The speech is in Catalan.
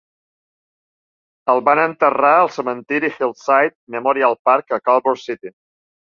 El van enterrar al cementiri Hillside Memorial Park, a Culver City.